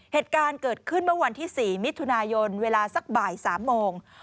เหตุการณ์เกิดขึ้นเมื่อวันที่๔มิถุนายนเวลาสักบ่าย๓โมง